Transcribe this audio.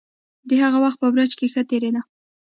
د هغه وخت په برج کې ښه تېرېده.